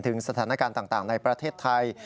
ถึงสถานการณ์ต่างในประเทศไทย